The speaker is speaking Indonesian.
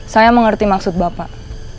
saya mengerti maksud bapak